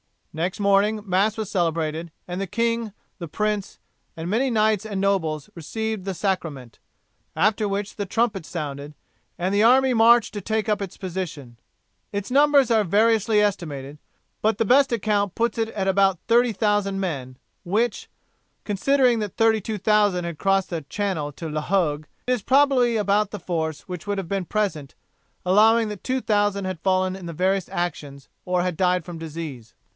Next morning, Mass was celebrated, and the king, the prince, and many knights and nobles received the Sacrament, after which the trumpet sounded, and the army marched to take up its position. Its numbers are variously estimated, but the best account puts it at about 30,000 men which, considering that 32,000 had crossed the Channel to La Hogue, is probably about the force which would have been present allowing that 2000 had fallen in the various actions or had died from disease.